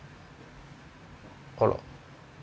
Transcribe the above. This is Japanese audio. あら。